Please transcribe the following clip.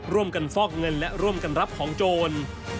ร่วมกันฟอกเงินและร่วมกันรับของโจร